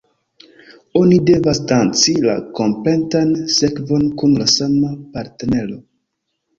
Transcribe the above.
Oni devas danci la kompletan sekvon kun la sama partnero.